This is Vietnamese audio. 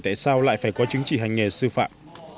tại sao lại phải có chứng chỉ hành nghề sư phạm